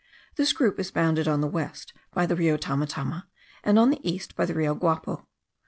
This group is bounded on the west by the Rio Tamatama, and on the east by the Rio Guapo.